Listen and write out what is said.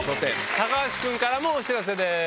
高橋君からもお知らせです。